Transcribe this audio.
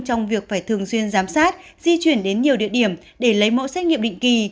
trong việc phải thường xuyên giám sát di chuyển đến nhiều địa điểm để lấy mẫu xét nghiệm định kỳ